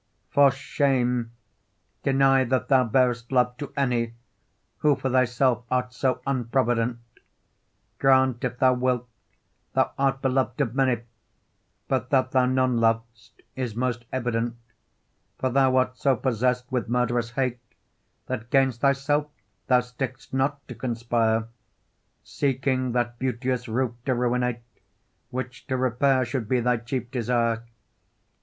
X For shame! deny that thou bear'st love to any, Who for thyself art so unprovident. Grant, if thou wilt, thou art belov'd of many, But that thou none lov'st is most evident: For thou art so possess'd with murderous hate, That 'gainst thyself thou stick'st not to conspire, Seeking that beauteous roof to ruinate Which to repair should be thy chief desire.